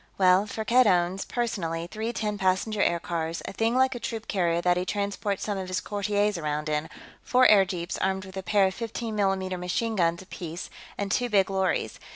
"Well, Firkked owns, personally, three ten passenger aircars, a thing like a troop carrier that he transports some of his courtiers around in, four airjeeps armed with a pair of 15 mm machine guns apiece, and two big lorries.